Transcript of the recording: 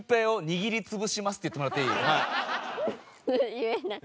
言えない。